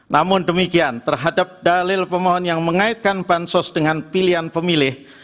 namun demikian terhadap dalil pemohon yang mengaitkan bansos dengan pilihan pemilih